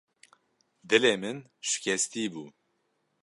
Dilê min şikestî bû.